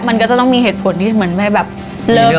มันก็จะต้องมีเหตุผลที่หัวแฟนไม่อยากเลิกกับ